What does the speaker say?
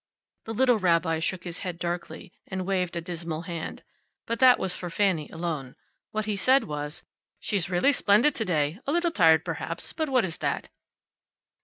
The little rabbi shook his head darkly, and waved a dismal hand. But that was for Fanny alone. What he said was: "She's really splendid to day. A little tired, perhaps; but what is that?"